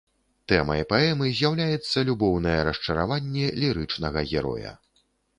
Тэмай паэмы з'яўляецца любоўнае расчараванне лірычнага героя.